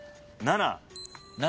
７。